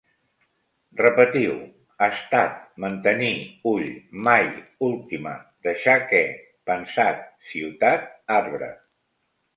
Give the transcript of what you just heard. Repetiu: estat, mantenir, ull, mai, última, deixar que, pensat, ciutat, arbre